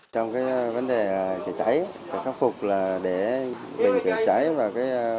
trong vấn đề cháy cháy khắc phục là để bình cháy và đồ cháy